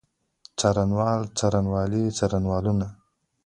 څارنوال، څارنوالي، څارنوالانو.